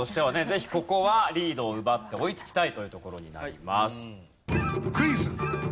ぜひここはリードを奪って追いつきたいというところになります。